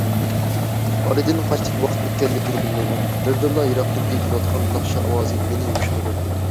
ئارىدىن قانچىلىك ۋاقىت ئۆتكەنلىكىنى بىلمەيمەن، بىردىنلا يىراقتىن ئېيتىلىۋاتقان ناخشا ئاۋازى مېنى ھوشۇمغا كەلتۈردى.